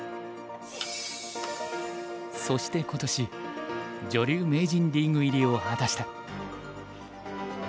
そして今年女流名人リーグ入りを果たした。